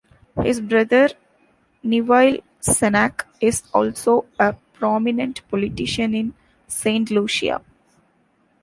His brother, Neville Cenac, is also a prominent politician in Saint Lucia.